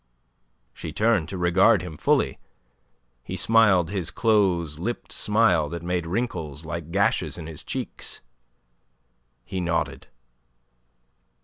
She turned to regard him fully. He smiled his close lipped smile that made wrinkles like gashes in his cheeks. He nodded.